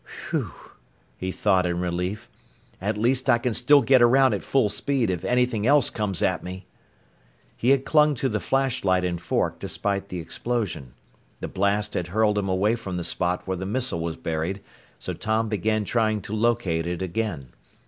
"Whew!" he thought in relief. "At least I can still get around at full speed if anything else comes at me!" He had clung to the flashlight and fork despite the explosion. The blast had hurled him away from the spot where the missile was buried, so Tom began trying to locate it again.